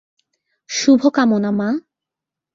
শুভকামনা, মা।